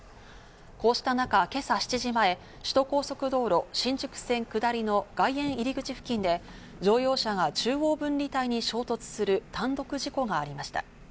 こうした中、今朝７時前、首都高速道路・新宿線下りの外苑入口付近で乗用車が中央分離帯に衝突する単独事故がありました。